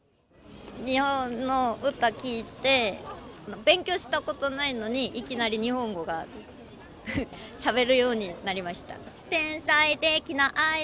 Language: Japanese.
日本の歌聴いて、勉強したことないのに、いきなり日本語がしゃべれるようになりました。